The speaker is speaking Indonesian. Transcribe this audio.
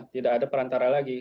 tidak ada perantara lagi